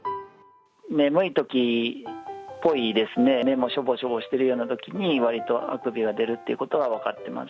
眠いときっぽいですね、目もしょぼしょぼしているようなときにわりとあくびが出るということが分かってます。